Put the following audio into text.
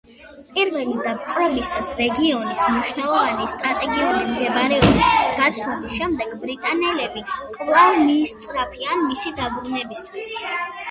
პირველი დაპყრობისას რეგიონის მნიშვნელოვანი სტრატეგიული მდებარეობის გაცნობის შემდეგ, ბრიტანელები კვლავ მიისწრაფიან მისი დაბრუნებისათვის.